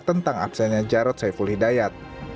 tentang absennya jarod saiful hidayat